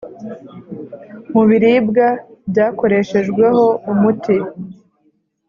mu biribwa byakoreshejweho umuti